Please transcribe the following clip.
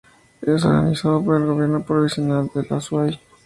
Es organizado por el Gobierno Provincial del Azuay.